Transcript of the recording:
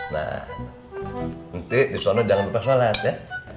nanti disana jangan lupa shalat ya